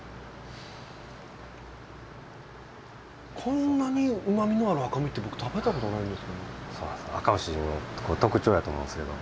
こんなにうまみのある赤身って僕食べたことないんですけど。